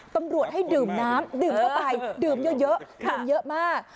ตำรวจให้ดื่มน้ำดื่มเข้าไปดื่มเยอะดื่มเยอะมาก